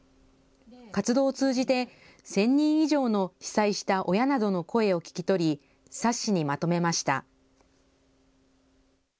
活動を通じて１０００人以上の被災した親などの声を聞き取り、冊子にまとめました。